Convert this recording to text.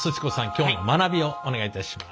「今日の学び」をお願いいたします。